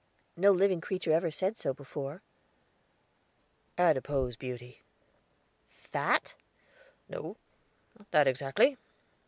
No living creature ever said so before." "Adipose beauty." "Fat?" "No; not that exactly.